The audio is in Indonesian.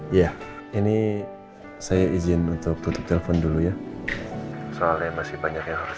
iya ini saya izin untuk tutup telepon dulu ya soalnya masih banyak yang harus